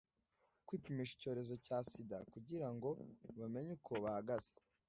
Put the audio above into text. kwipimisha icyorezo cya sida kugira ngo bamenye uko bahagaze